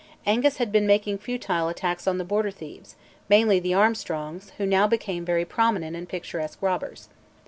Angus had been making futile attacks on the Border thieves, mainly the Armstrongs, who now became very prominent and picturesque robbers.